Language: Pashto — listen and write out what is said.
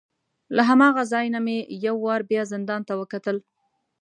له هماغه ځای نه مې یو وار بیا زندان ته وکتل.